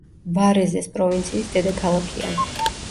ვარეზეს პროვინციის დედაქალაქია.